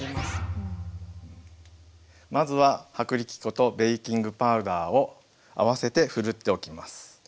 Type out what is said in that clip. まずは薄力粉とベーキングパウダーを合わせてふるっておきます。